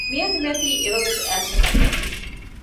މިއަދު މިއޮތީ އެވަގުތު އައިއްސަ ކަންނޭނގެ